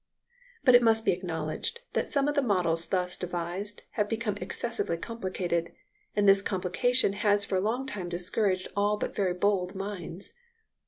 But it must be acknowledged that some of the models thus devised have become excessively complicated, and this complication has for a long time discouraged all but very bold minds.